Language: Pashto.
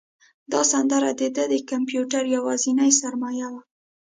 دا سندره د ده د کمپیوټر یوازینۍ سرمایه وه.